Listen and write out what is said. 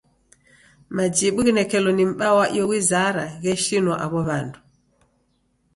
Majibu ghinekelo ni m'baa wa iyo wizara gheshinua aw'o w'andu.